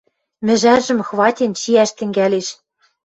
Мӹжӓржӹм хватен, чиӓш тӹнгӓлеш.